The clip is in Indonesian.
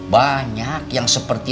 banyak yang seperti